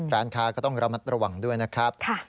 ร้านค้าก็ต้องระมัดระวังด้วยนะครับ